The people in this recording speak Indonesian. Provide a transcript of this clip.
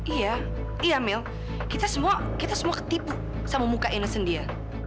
iya iya mil kita semua kita semua ketipu sama muka inesan dia